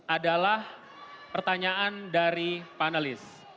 adalah pertanyaan dari panelis